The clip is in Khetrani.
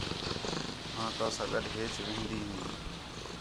آں تَؤ ساں گݙ ہیچ وھندی ہیں